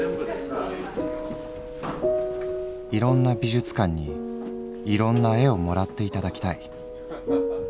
「いろんな美術館にいろんな絵を貰っていただきたい。